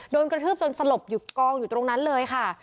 กระทืบจนสลบอยู่กองอยู่ตรงนั้นเลยค่ะ